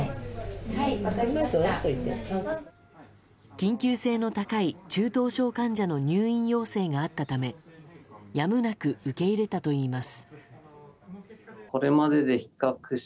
緊急性の高い中等症患者の入院要請があったためやむなく受け入れたといいます。